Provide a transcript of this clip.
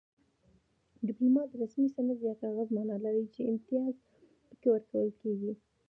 ډیپلوما د رسمي سند یا کاغذ مانا لري چې امتیاز پکې ورکول کیږي